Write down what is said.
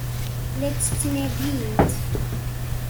La tt-ttnadint?